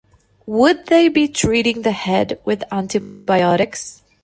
Would they be treating the head with antibiotics?